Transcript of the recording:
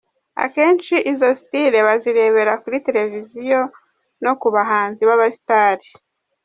Akenshi izo sitile bazirebera kuri televiziyo no ku bahanzi b’abasitari.